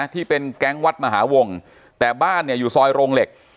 ที่เป็นแก๊งวัดมหาวงแต่บ้านเนี่ยอยู่ซอยโรงเหล็ก